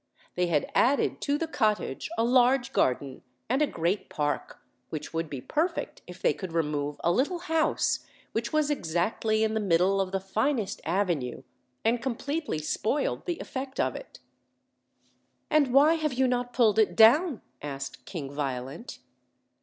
They had added to the cottage a large garden and a great park, which would be perfect if they could remove a little house which was exactly in the middle of the finest avenue, and completely spoiled the effect of it. "And why have you not pulled it down?" asked King Violent.